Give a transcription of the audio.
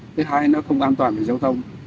thứ hai nó không an toàn với giao thông